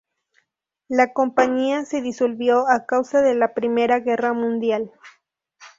La compañía se disolvió a causa de la Primera Guerra Mundial.